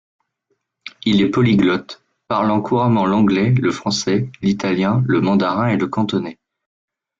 Il est polyglotte, parlant couramment l'anglais, le français, l'italien, le mandarin et le cantonais.